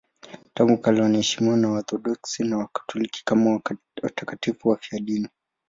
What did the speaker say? Tangu kale wanaheshimiwa na Waorthodoksi na Wakatoliki kama watakatifu wafiadini.